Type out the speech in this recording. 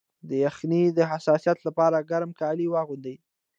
د یخنۍ د حساسیت لپاره ګرم کالي واغوندئ